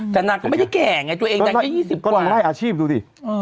ตัวเองอาชีพดูดิ